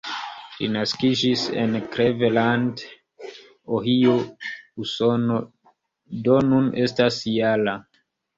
Li naskiĝis en Cleveland, Ohio, Usono, do nun estas -jara.